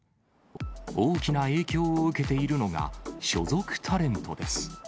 大きな影響を受けているのが所属タレントです。